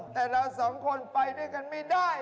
แต่เราสองคนไปด้วยกันไม่ได้